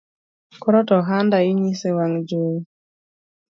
Koro to ohanda inyiso ewang’ jowi